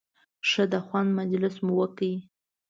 ښه د خوند مجلس مو وکړ.